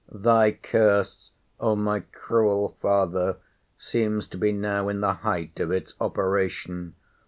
'Thy curse, O my cruel father, seems to be now in the height of its operation!